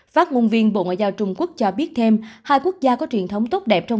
phát ngôn viên bộ ngoại giao trung quốc cho biết thêm hai quốc gia có truyền thống tốt đẹp trong